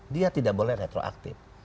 dia tidak boleh retroaktif